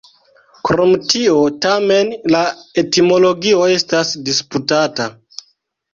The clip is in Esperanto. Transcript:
Krom tio, tamen, la etimologio estas disputata.